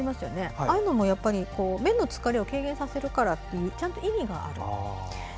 ああいうのも目の疲れを軽減させるからということでちゃんと意味がある。